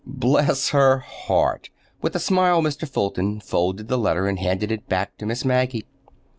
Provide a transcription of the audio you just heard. "Bless her heart!" With a smile Mr. Fulton folded the letter and handed it back to Miss Maggie.